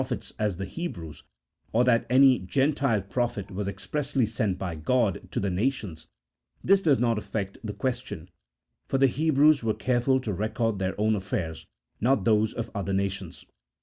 phets as the Hebrews, or that any Gentile prophet was ex pressly sent by God to the nations, this does not affect the question, for the Hebrews were careful to record their own affairs, not those of other nations.